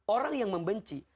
orang yang membenci